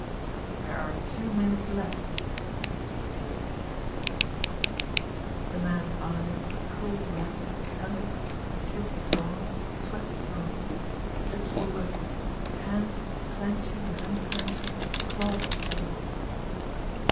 "There are two minutes left," said Jimmie Dale in a monotone. The man's eyes, coal black, hunted, the pupils gone, swept the room. His lips were working; his hands, clenching and unclenching, clawed at the table.